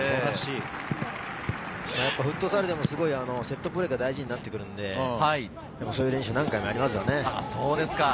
フットサルでもセットプレーが大事になってくるので、そういう練習を何回もやりますよね。